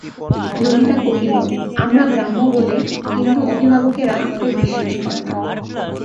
ললিতা কহিল, আমরা ব্রাহ্ম বলে হিন্দু অভিভাবকেরা আমাদের বিশ্বাস করে না।